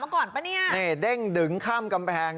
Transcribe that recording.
ก่อนป่ะเนี่ยนี่เด้งดึงข้ามกำแพง